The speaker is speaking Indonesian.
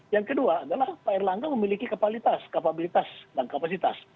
yang kedua adalah pak erlangga memiliki kapasitas kapabilitas dan kapasitas